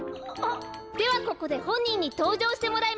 ではここでほんにんにとうじょうしてもらいましょう。